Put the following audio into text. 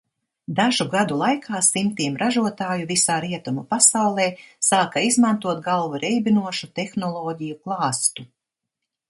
Dažu gadu laikā simtiem ražotāju visā rietumu pasaulē sāka izmantot galvu reibinošu tehnoloģiju klāstu.